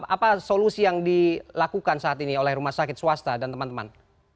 apa solusi yang dilakukan saat ini oleh rumah sakit swasta dan teman teman